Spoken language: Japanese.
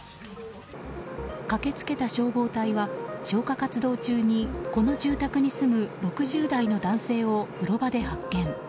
駆け付けた消防隊は消火活動中にこの住宅に住む６０代の男性を風呂場で発見。